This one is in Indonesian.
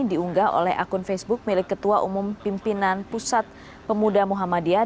diunggah oleh akun facebook milik ketua umum pimpinan pusat pemuda muhammadiyah